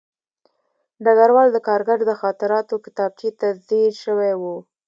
ډګروال د کارګر د خاطراتو کتابچې ته ځیر شوی و